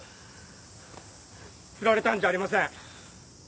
フラれたんじゃありません。